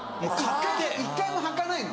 １回も履かないの？